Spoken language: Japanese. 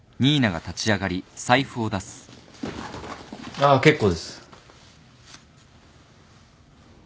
ああ結構です。